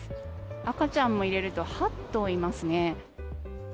赤ちゃんも入れると８頭いますね。